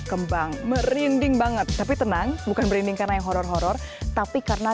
kembang merinding banget tapi tenang bukan merinding karena yang horror horror tapi karena